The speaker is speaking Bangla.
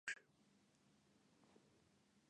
এ গণের সবচেয়ে ছোট প্রজাতি আর সবচেয়ে বেশি নাদুস-নুদুস।